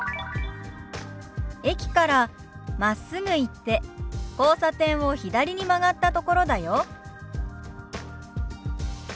「駅からまっすぐ行って交差点を左に曲がったところだよ」。